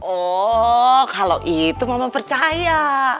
oh kalau itu mama percaya